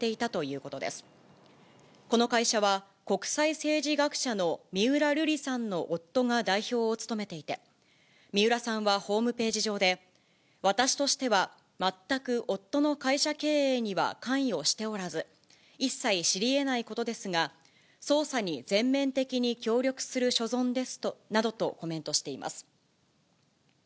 この会社は、国際政治学者の三浦瑠麗さんの夫が代表を務めていて、三浦さんはホームページ上で、私としては全く夫の会社経営には関与しておらず、一切知りえないことですが、捜査に全面的に協力する所存ですなどとコメントしています。